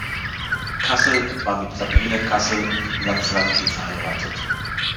Cassel war mit Sabine Cassel-Lanfranchi verheiratet.